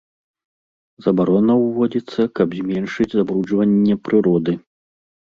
Забарона ўводзіцца, каб зменшыць забруджванне прыроды.